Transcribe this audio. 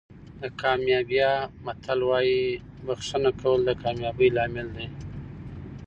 د ګامبیا متل وایي بښنه کول د کامیابۍ لامل دی.